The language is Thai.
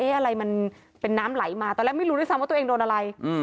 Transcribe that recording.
อะไรมันเป็นน้ำไหลมาตอนแรกไม่รู้ด้วยซ้ำว่าตัวเองโดนอะไร